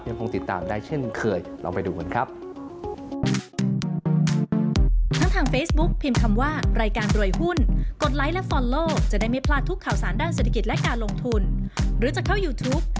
คงติดตามได้เช่นเคยลองไปดูกันครับ